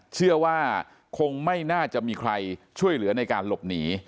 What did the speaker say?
เชื่อว่าคงไม่น่าจะมีใครช่วยเหลือในการหลบหนี